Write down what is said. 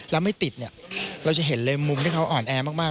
แล้วไม่ติดเนี่ยเราจะเห็นเลยมุมที่เขาอ่อนแอมาก